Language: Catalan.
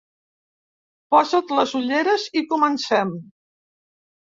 Posa't les ulleres i comencem.